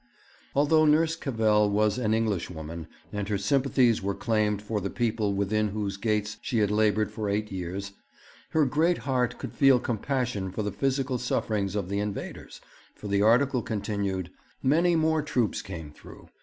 Although Nurse Cavell was an Englishwoman, and her sympathies were claimed for the people within whose gates she had laboured for eight years, her great heart could feel compassion for the physical sufferings of the invaders, for the article continued: 'Many more troops came through.